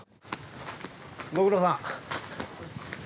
ご苦労さん。